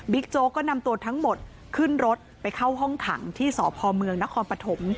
โจ๊กก็นำตัวทั้งหมดขึ้นรถไปเข้าห้องขังที่สพเมืองนครปฐม